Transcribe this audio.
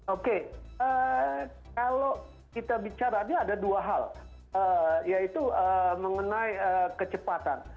oke kalau kita bicara ini ada dua hal yaitu mengenai kecepatan